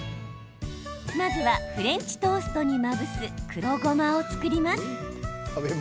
まずはフレンチトーストにまぶす黒ごまを作ります。